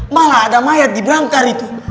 malah ada mayat di berangkar itu